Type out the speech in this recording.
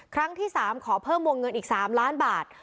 ครั้งที่๓ขอเพิ่มวงเงินอีก๓ล้านบาท